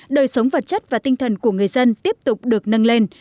đời sống vật chất và tinh thần của người dân tiếp tục được nâng lên